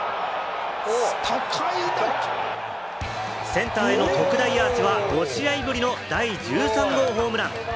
センターへの特大アーチは５試合ぶりの第１３号ホームラン。